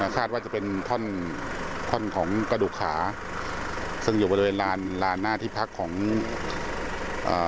คาดว่าจะเป็นท่อนท่อนของกระดูกขาซึ่งอยู่บริเวณลานลานหน้าที่พักของเอ่อ